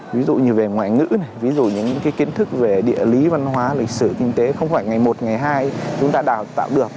ví dụ như về ngoại ngữ này ví dụ những kiến thức về địa lý văn hóa lịch sử kinh tế không phải ngày một ngày hai chúng ta đào tạo được